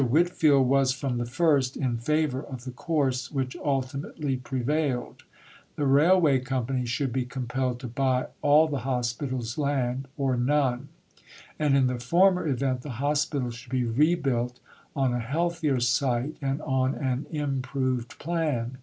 Whitfield was from the first in favour of the course which ultimately prevailed; the Railway Company should be compelled to buy all the Hospital's land or none, and in the former event the Hospital should be rebuilt on a healthier site and on an improved plan.